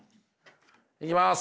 いきます。